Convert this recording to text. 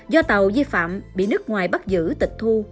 do tàu di phạm bị nước ngoài bắt giữ tịch thu